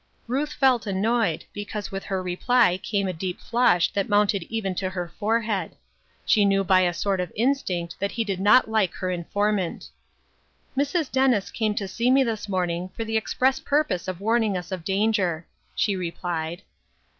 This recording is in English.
Ruth felt annoyed, because with her reply came a deep flush that mounted even to her forehead. She knew by a sort of instinct that he did not like her informant. "Mrs. Dennis came to see me this morning for the express purpose of warning us of danger," she replied.